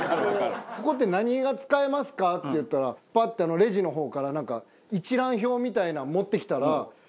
「ここって何が使えますか？」って言ったらパッてレジの方からなんか一覧表みたいなん持ってきたら。